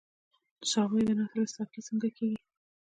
د څارویو د نسل اصلاح څنګه کیږي؟